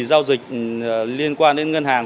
giao dịch liên quan đến ngân hàng